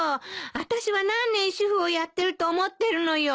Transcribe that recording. あたしは何年主婦をやってると思ってるのよ。